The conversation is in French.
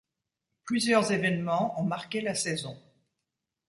Plusieurs événements ont marqué la saison.